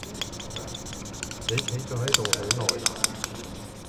你企咗喺度好耐喇？